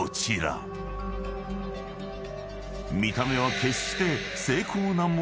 ［見た目は決して］